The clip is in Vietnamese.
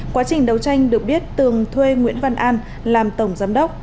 quá trình đấu tranh được biết tường thuê nguyễn văn an làm tổng giám đốc